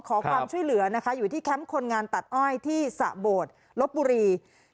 ขอความช่วยเหลือนะคะอยู่ที่แคมป์คนงานตัดอ้อยที่สะโบดลบบุรี